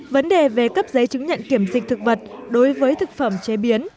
vấn đề về cấp giấy chứng nhận kiểm dịch thực vật đối với thực phẩm chế biến